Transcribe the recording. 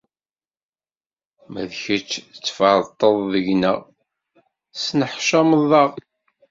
Ma d kečč tferrṭeḍ deg-nneɣ, tesneḥcameḍ-aɣ.